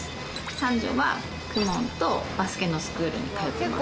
三女は公文とバスケのスクールに通ってます。